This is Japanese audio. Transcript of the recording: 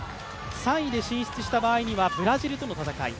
３位で進出した場合にはブラジルとの戦い。